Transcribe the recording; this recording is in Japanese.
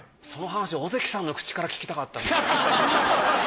その話小関さんの口から聞きたかったな。